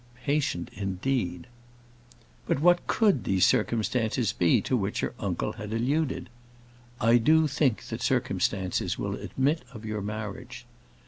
Patient, indeed! But what could these circumstances be to which her uncle had alluded? "I do think that circumstances will admit of your marriage."